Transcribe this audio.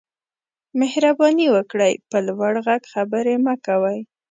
مهرباني وکړئ په لوړ غږ خبرې مه کوئ